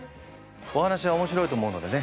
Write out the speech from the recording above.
お話はおもしろいと思うのでね